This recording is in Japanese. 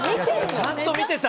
ちゃんと見てた。